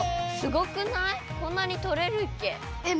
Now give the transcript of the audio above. こんなにとれるっけ？